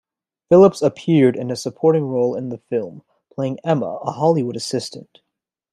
Phillips appeared in a supporting role in the film, playing Emma, a Hollywood assistant.